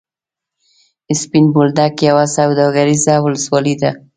سپین بولدک یوه سوداګریزه ولسوالي ده.